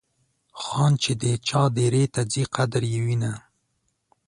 خان چې د چا دیرې ته ځي قدر یې وینه.